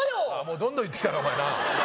どんどん言ってきたなお前な